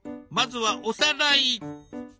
まずはおさらい。